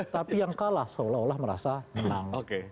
tapi yang kalah seolah olah merasa menang